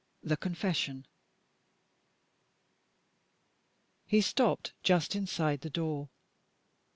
THE CONFESSION HE stopped just inside the door.